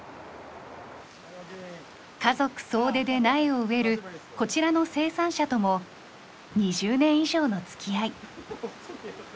家族総出で苗を植えるこちらの生産者とも２０年以上の付き合い。